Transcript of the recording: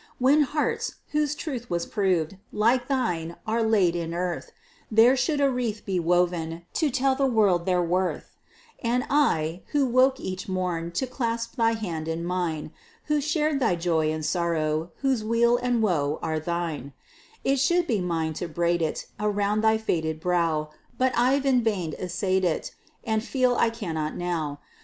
When hearts, whose truth was proven, Like thine, are laid in earth, There should a wreath be woven To tell the world their worth; And I, who woke each morrow To clasp thy hand in mine, Who shared thy joy and sorrow, Whose weal and woe were thine: It should be mine to braid it Around thy faded brow, But I've in vain essayed it, And feel I cannot now.